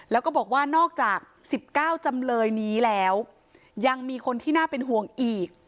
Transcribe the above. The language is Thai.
แล้วก็บอกว่านอกจาก๑๙จำเลยนี้แล้วยังมีคนที่น่าเป็นห่วงอีก